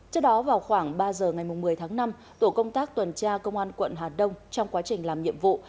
trước đó vào khoảng ba giờ ngày một mươi tháng năm tổ công tác tuần tra công an quận hà đông trong quá trình làm nhiệm vụ